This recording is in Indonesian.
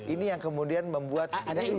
ini yang kemudian membuat